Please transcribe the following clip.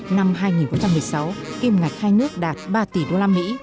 năm hai nghìn một mươi sáu kim ngạch hai nước đạt ba tỷ usd